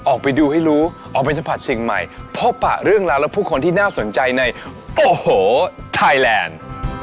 ออกไปดูให้รู้ออกไปสัมผัสสิ่งใหม่พบปะเรื่องราวและผู้คนที่น่าสนใจในโอ้โหไทยแลนด์